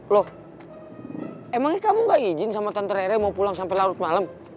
loh emangnya kamu gak ijin sama tante rere mau pulang sampai larut malem